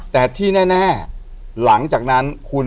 แต่ที่แน่หลังจากนั้นคุณ